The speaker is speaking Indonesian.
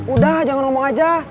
udah jangan ngomong aja